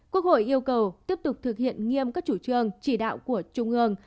quốc hội yêu cầu tiếp tục thực hiện nghiêm các chủ trương chỉ đạo của trung ương